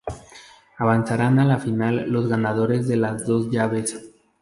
Avanzarán a la final los ganadores de las dos llaves.